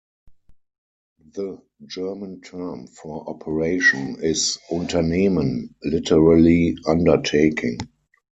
The German term for "Operation" is "Unternehmen", literally "undertaking".